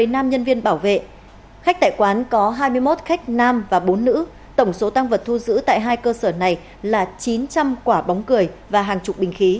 một mươi nam nhân viên bảo vệ khách tại quán có hai mươi một khách nam và bốn nữ